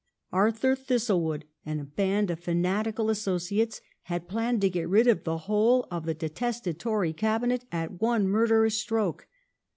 Arthur ^^'^^'^> Thistle wood and a band of fanatical associates had planned to j( get rid of the whole of the detested Tory Cabinet at one murderous / stroke.